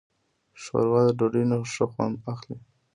ښوروا د ډوډۍ نه ښه خوند اخلي.